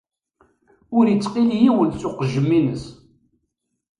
Ur ittqili yiwen s uqejjem-ines.